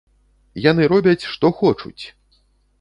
Яны робяць што хочуць!